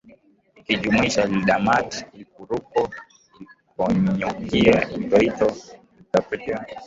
ikijumuisha Ildamat Ilpurko Ilkeekonyokie Iloitai Ilkaputiei Ilkankere Isiria Ilmoitanik Iloodokilani Iloitokitoki